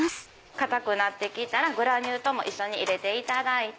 かたくなって来たらグラニュー糖一緒に入れていただいて